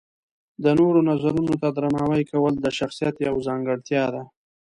د نورو نظرونو ته درناوی کول د شخصیت یوه ځانګړتیا ده.